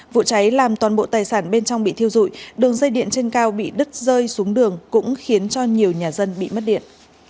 vụ cháy làm toàn bộ tài sản bên trong bị thiêu dụi đường dây điện trên cao bị đứt rơi xuống đường cũng khiến cho nhiều nhà dân bị mất điện